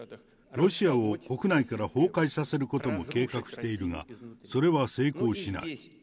ロシアを国内から崩壊させることも計画しているが、それは成功しない。